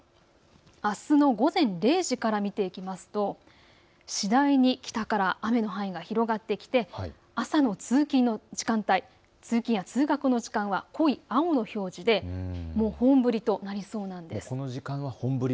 あすの午前０時から見ていきますと次第に北から雨の範囲が広がってきて朝の通勤の時間帯、濃い青の表示で本降りとなりそうです。